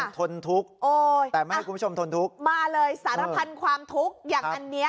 ถูกต้องค่ะโอ้ยอ่ะมาเลยสารพันธ์ความทุกข์อย่างอันเนี้ย